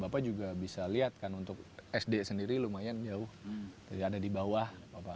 bapak juga bisa lihat kan untuk sd sendiri lumayan jauh jadi ada di bawah